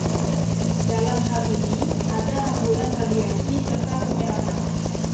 Dalam hal ini, ada hamburan radiasi serta penyerapan.